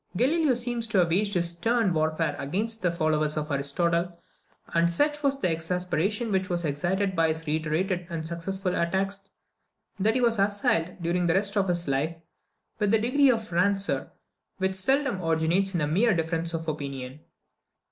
Galileo seems to have waged this stern warfare against the followers of Aristotle; and such was the exasperation which was excited by his reiterated and successful attacks, that he was assailed, during the rest of his life, with a degree of rancour which seldom originates in a mere difference of opinion.